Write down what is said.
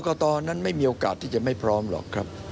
ก็ตอนนั้นไม่มีโอกาสที่จะไม่พร้อมหรอกครับ